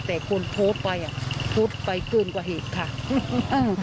แต่ควรโทรไปอะพูดไปคืนกว่าเหตุค่ะเออ